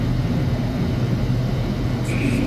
کندز سیند د افغانانو د ګټورتیا یوه برخه ده.